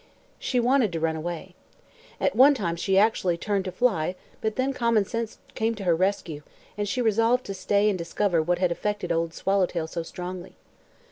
She wanted to run away. At one time she actually turned to fly; but then common sense came to her rescue and she resolved to stay and discover what had affected Old Swallowtail so strongly.